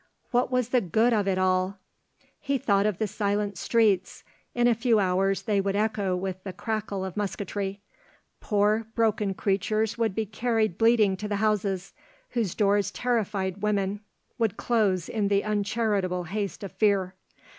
What was the good of it all? He thought of the silent streets; in a few hours they would echo with the crackle of musketry. Poor broken creatures would be carried bleeding to the houses, whose doors terrified women would close in the uncharitable haste of fear.